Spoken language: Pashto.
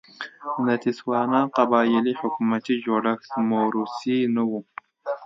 د تسوانا قبایلي حکومتي جوړښت موروثي نه و.